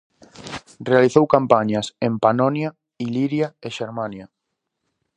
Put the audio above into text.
Realizou campañas en Panonia, Iliria e Xermania.